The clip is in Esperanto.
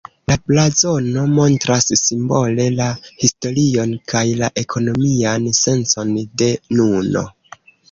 La blazono montras simbole la historion kaj la ekonomian sencon de nuno.